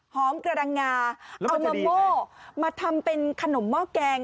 หอมกระดังงาโมโหม่ทำเป็นขนมเมาะแกง